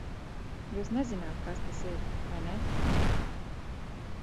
Jūs nezināt, kas tas ir, vai ne?